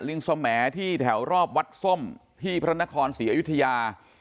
ลิงสแหมดที่แถวรอบวัดส้มที่พระนครศรีอยุธยา